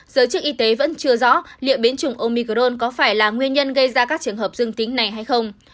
giới chức y tế vẫn chưa rõ liệu biến chủng omicron có phải là nguyên nhân gây ra các trường hợp dương tính này hay không